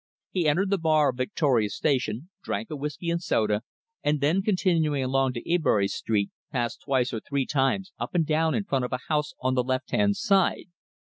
He entered the bar of Victoria Station, drank a whisky and soda, and then continuing along to Ebury Street passed twice or three times up and down in front of a house on the left hand side.